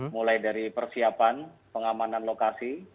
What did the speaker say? mulai dari persiapan pengamanan lokasi